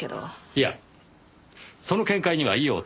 いやその見解には異を唱えたい。